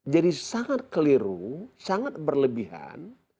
jadi sangat keliru sangat berlebihan